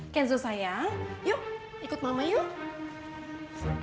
kenzo saya yuk ikut mama yuk